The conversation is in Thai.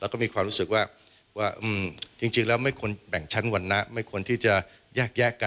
ขอแค่นี้ก่อนนะคะ